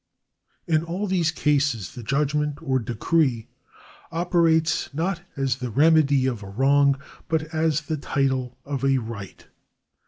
In all these cases the judgment or decree operates not as the remedy of a wrong, but as the title of a right.